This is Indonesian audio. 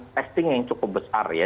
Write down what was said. testing yang cukup besar ya